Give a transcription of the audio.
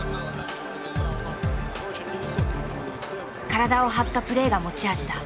体を張ったプレーが持ち味だ。